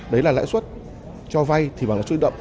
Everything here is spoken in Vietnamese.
đấy là lãi suất cho vay thì bằng lãi suất huy động